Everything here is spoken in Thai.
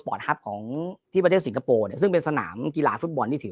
ฟอร์ทฮัพที่ประเทศสิงคโปร์ซึ่งเป็นสนามกีฬาฟุตบอลที่